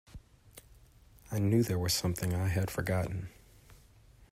I knew there was something I had forgotten.